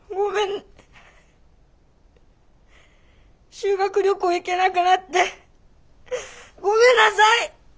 修学旅行へ行けなくなってごめんなさい！